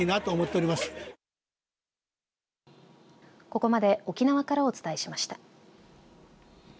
ここまで沖縄からお伝えしました。